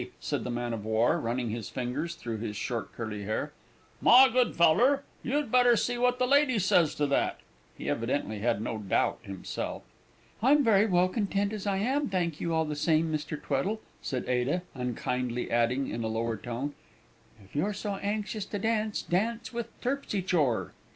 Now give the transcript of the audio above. said the man of war, running his fingers through his short curly hair; "my good feller, you'd better see what the lady says to that!" (He evidently had no doubt himself.) "I'm very well content as I am, thank you all the same, Mr. Tweddle," said Ada, unkindly adding in a lower tone, "If you're so anxious to dance, dance with Terpsy chore!"